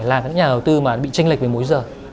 là những nhà đầu tư mà bị tranh lệch với mối giờ